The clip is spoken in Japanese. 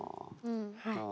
はい。